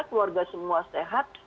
keluarga semua sehat